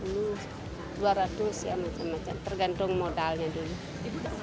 ya seratus ribu satu ratus lima puluh dua ratus ya macam macam tergantung modalnya dulu